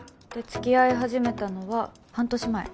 で付き合い始めたのは半年前